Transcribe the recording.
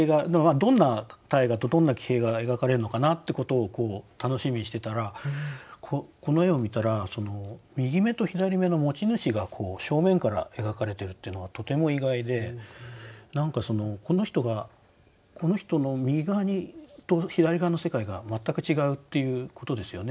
どんな大河とどんな騎兵が描かれるのかなってことを楽しみにしてたらこの絵を見たら右眼と左眼の持ち主が正面から描かれてるっていうのはとても意外で何かこの人がこの人の右側と左側の世界が全く違うっていうことですよね。